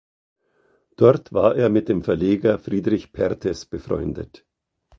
Dort war er mit dem Verleger Friedrich Perthes befreundet.